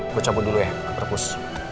gue cabut dulu ya ke perpus